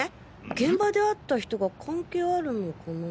現場で会った人が関係あるのかな